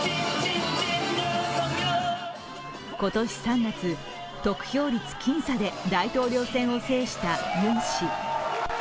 今年３月、得票率僅差で大統領選を制したユン氏。